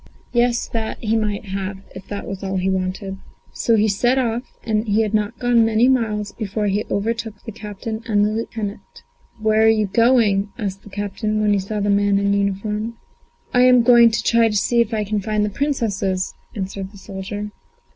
Yes, that he might have if that was all he wanted. So he set off, and he had not gone many miles before he overtook the captain and the lieutenant. "Where are you going?" asked the captain, when he saw the man in uniform. "I'm going to try if I can find the Princesses," answered the soldier.